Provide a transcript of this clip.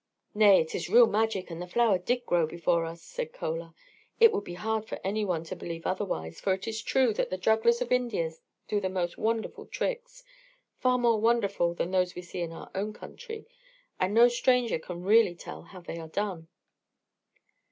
"Nay, it is real magic, and the flower did grow up before us," said Chola. It would be hard for any one to believe otherwise; for it is true that the jugglers of India do the most wonderful tricks, far more wonderful than those we see in our own country, and no stranger can really tell how they are done.